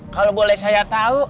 kalau boleh saya tahu